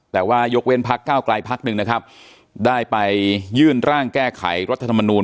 แต่ว่ายกเว้นพักก้าวไกลพักหนึ่งนะครับได้ไปยื่นร่างแก้ไขรัฐธรรมนูล